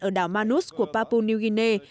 ở đảo manus của papua new guinea